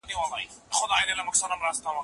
د ځان وژنې په اړه څیړنه وسوه.